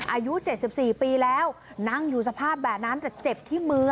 อายุ๗๔ปีแล้วนั่งอยู่สภาพแบบนั้นแต่เจ็บที่มือ